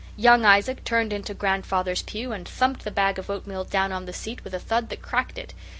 Young Isaac turned into grandfather's pew and thumped the bag of oatmeal down on the seat with a thud that cracked it.